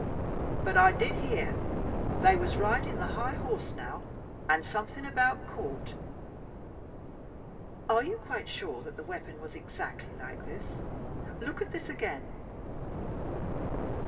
But I did hear they was riding the high horse now, and something about court." "Are you quite sure that the weapon was exactly like this? Look at this again."